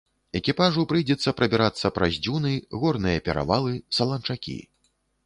Экіпажу прыйдзецца прабірацца праз дзюны, горныя перавалы, саланчакі.